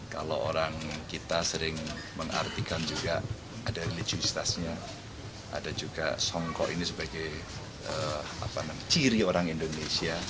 kalau orang kita sering mengartikan juga ada religiusitasnya ada juga songkok ini sebagai ciri orang indonesia